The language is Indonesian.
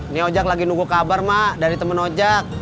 nih ojak lagi nunggu kabar emak dari temen ojak